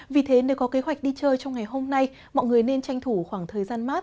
vì thế nếu có kế hoạch đi chơi trong ngày hôm nay mọi người nên tranh thủ khoảng thời gian mát